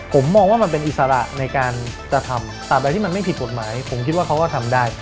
ผมมองว่ามันเป็นอิสระในการกระทำตามอะไรที่มันไม่ผิดกฎหมายผมคิดว่าเขาก็ทำได้